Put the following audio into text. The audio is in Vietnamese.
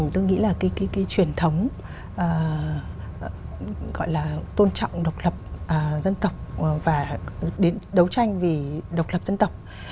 tôi nghĩ là cái truyền thống gọi là tôn trọng độc lập dân tộc và đến đấu tranh vì độc lập dân tộc